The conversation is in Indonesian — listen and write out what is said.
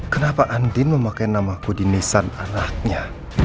kenapa antin memakai nama kudinisan anaknya